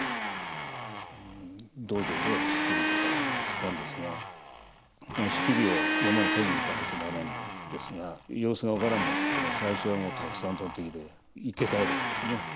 道場では樒とか使うんですがその樒を山に採りに行かなきゃならんのですが様子が分からんもんですから最初はたくさん採ってきて生け替えるわけですね。